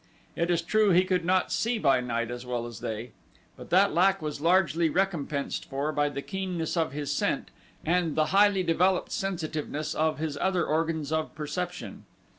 It is true he could not see by night as well as they, but that lack was largely recompensed for by the keenness of his scent and the highly developed sensitiveness of his other organs of perception.